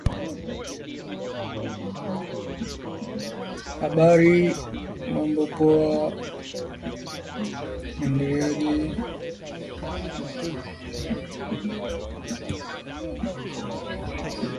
The difference is especially pronounced when the content is about reward and payment.